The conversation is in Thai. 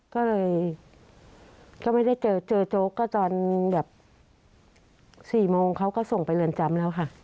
ก็เลยก็ไม่ได้เจอเจอโจ๊กก็ตอนแบบ๔โมงเขาก็ส่งไปเรือนจำแล้วค่ะ